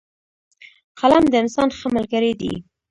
قلم د انسان ښه ملګری دی